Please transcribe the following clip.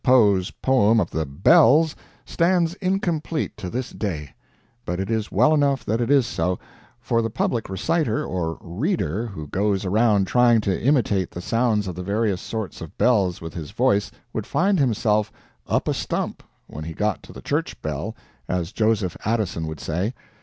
Poe's poem of the "Bells" stands incomplete to this day; but it is well enough that it is so, for the public reciter or "reader" who goes around trying to imitate the sounds of the various sorts of bells with his voice would find himself "up a stump" when he got to the church bell as Joseph Addison would say.